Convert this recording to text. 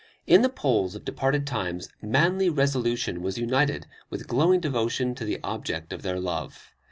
In the Poles of departed times manly resolution was united with glowing devotion to the object of their love.